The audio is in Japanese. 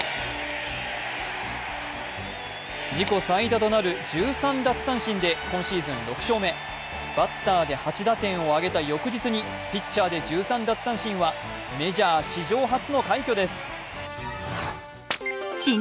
自己最多となる１３奪三振で、今シーズン６勝目、バッターで８打点を挙げた翌日にピッチャーで１３奪三振はメジャー史上初の快挙です。